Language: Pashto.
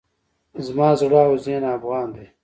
زما زړه او ذهن افغان دی.